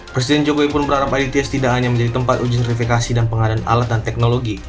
presiden jokowi pun berharap its tidak hanya menjadi tempat uji krifikasi dan pengadaan alat dan teknologi